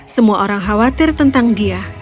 semua orang khawatir tentang dia